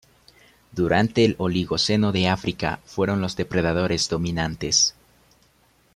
Durante el Oligoceno de África, fueron los depredadores dominantes.